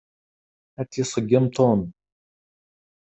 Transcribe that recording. Ad tt-iṣeggem Tom.